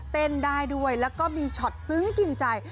เต้นได้ด้วยแล้วก็มีช็อตซึ้งกินใจ